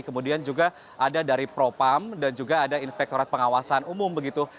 kemudian juga ada dari propam dan juga ada inspektorat pengawasan umum begitu